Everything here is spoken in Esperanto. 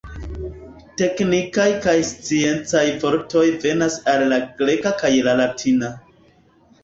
Teknikaj kaj sciencaj vortoj venas el la greka kaj la latina.